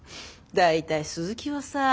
大体鈴木はさあ。